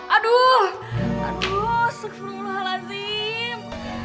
aduh aduh seksululahalazim